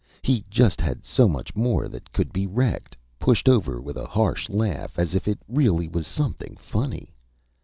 He just had so much more that could be wrecked pushed over with a harsh laugh, as if it really was something funny.